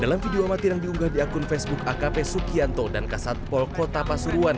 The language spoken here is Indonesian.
dalam video amatir yang diunggah di akun facebook akp sukianto dan kasatpol kota pasuruan